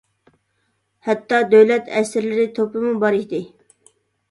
ھەتتا دۆلەت ئەسىرلىرى توپىمۇ بار ئىدى.